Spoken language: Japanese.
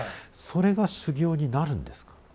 それが修行になるんですか？